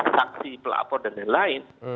saksi pelapor dan lain lain